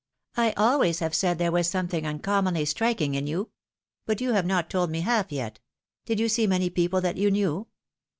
I always have said there was something uncommonly striking in you. But you have not told me half yet. Did you see many people that you knew